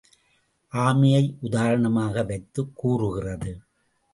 ஆமையை உதாரணமாக வைத்துக் கூறுகிறது.